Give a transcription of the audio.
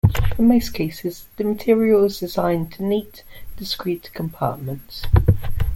In most cases, the material is assigned to neat, discrete compartments.